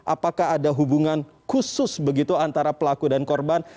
apakah ada hubungan khusus begitu antara pelaku dan korban